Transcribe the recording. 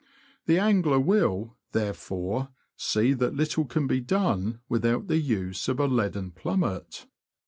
The angler will, therefore, see that little can be done without the use of a leaden plummet.